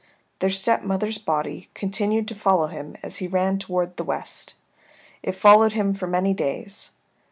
Their stepmother's body continued to follow him as he ran towards the west. It followed him for many days.